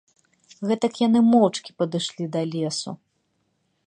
Гэтак яны моўчкі падышлі да лесу.